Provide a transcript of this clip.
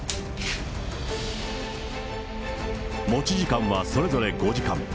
持ち時間はそれぞれ５時間。